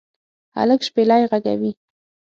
هلک شپیلۍ ږغوي